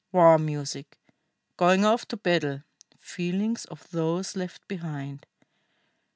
WAR MUSIC. GOING OFF TO BATTLE. FEELINGS OF THOSE LEFT BEHIND.